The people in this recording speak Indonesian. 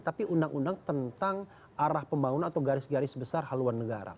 tapi undang undang tentang arah pembangunan atau garis garis besar haluan negara